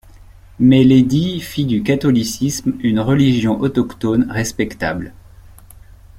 Mais l’édit fit du catholicisme une religion autochtone respectable.